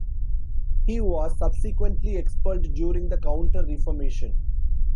He was subsequently expelled during the Counter-Reformation.